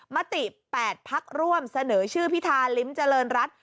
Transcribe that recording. มติแปดพักร่วมเสนอชื่อพิทาลิมเจริญรัตน์